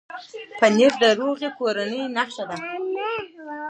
پنېر د روغې کورنۍ نښه ده.